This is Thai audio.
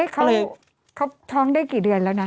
เขาท้องได้กี่เดือนแล้วนะ